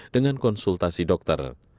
dengan konsultasi dokter